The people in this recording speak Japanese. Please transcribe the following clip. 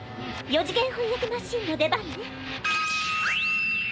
４次元翻訳マシーンの出番ね。